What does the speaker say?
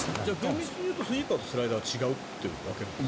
厳密にいうとスイーパーとスライダーは違うって分けるんですか？